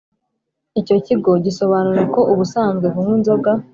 Icyo kigo gisobanura ko ubusanzwe kunywa inzoga